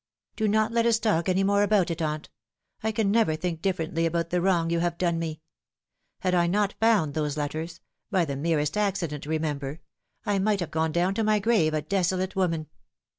" Do not let us talk any more about it, aunt. I can never think differently about the wrong you have done me. Had I not found those letters by the merest accident, remember I might have gone down to my grave a desolate woman.